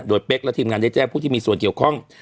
โดยเป๊กและทีมงานได้แจ้งผู้ที่มีส่วนเกี่ยวข้อง